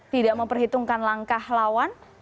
tidak memperhitungkan langkah lawan